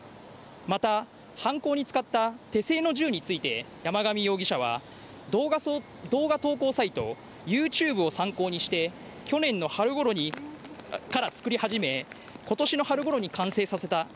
また、犯行に使った手製の銃について、山上容疑者は、動画投稿サイト、ユーチューブを参考にして、去年の春ごろから作り始め、ことしの春ごろに完成させた。